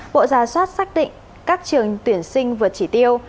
bộ ra soát xác định các trường tuyển sinh vượt chỉ tiêu